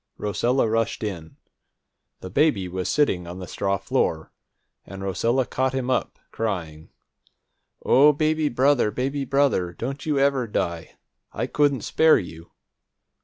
Rosella rushed in. The baby was sitting on the straw floor, and Rosella caught him up, crying: "O baby, baby brother, don't you ever die! I couldn't spare you!"